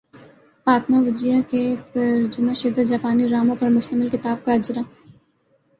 فاطمہ بجیا کے ترجمہ شدہ جاپانی ڈراموں پر مشتمل کتاب کا اجراء